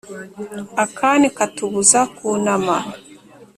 akane katubuza kunama,